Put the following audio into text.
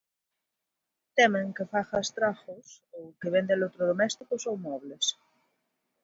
Temen que faga estragos ou que venda electrodomésticos ou mobles.